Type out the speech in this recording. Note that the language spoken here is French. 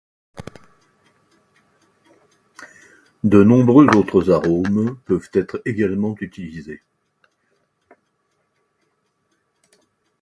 De nombreux autres arômes peuvent être également utilisés.